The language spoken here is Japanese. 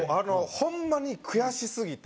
ホンマに悔しすぎて